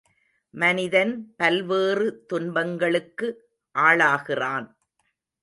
மனிதன் பல்வேறு துன்பங்களுக்கு ஆளாகிறான்.